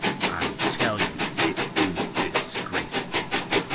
I tell you it is disgraceful!